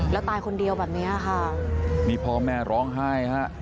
แล้วตายคนเดียวแบบเนี้ยค่ะนี่พ่อแม่ร้องไห้ฮะ